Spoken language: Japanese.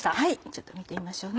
ちょっと見てみましょうね。